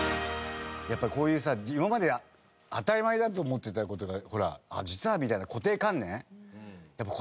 やっぱこういうさ今まで当たり前だと思ってた事がほら実はみたいな固定観念。